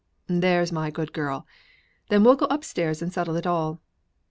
"There's my good girl. Then we'll go upstairs and settle it all."